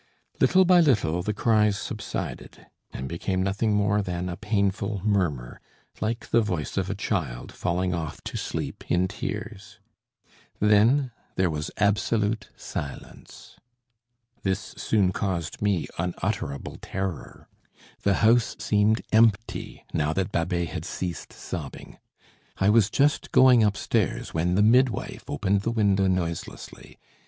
Little by little the cries subsided, and became nothing more than a painful murmur, like the voice of a child falling off to sleep in tears. Then there was absolute silence. This soon caused me unutterable terror. The house seemed empty, now that Babet had ceased sobbing. I was just going upstairs, when the midwife opened the window noiselessly.